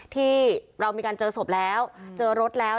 ที่เรามีการเจอศพแล้วเจอรถแล้ว